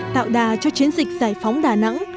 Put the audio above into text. tạo đà cho chiến dịch giải phóng đà nẵng